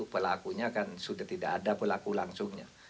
pelakunya kan sudah tidak ada pelaku langsungnya